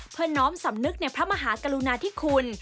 เพื่อน้อมสำนึกในพระมหากรุณาธิคุณ